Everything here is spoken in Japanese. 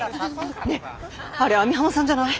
ねえあれ網浜さんじゃない？